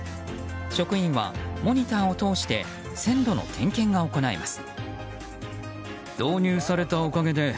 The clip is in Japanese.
職員はモニターを通して線路の点検が行えます。